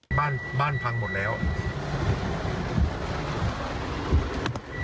เดี๋ยวจะจักรบินหนึ่งซื้อฟัง